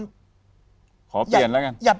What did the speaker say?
ขอเปลี่ยนแล้วกัน